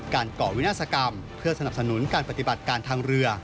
ก่อวินาศกรรมเพื่อสนับสนุนการปฏิบัติการทางเรือ